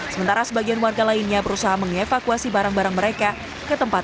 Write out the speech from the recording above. sementara sebagian warga lainnya berusaha mengevakuasi barang barang mereka ke tempat